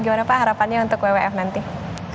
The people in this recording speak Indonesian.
gimana pak harapannya untuk wwf nanti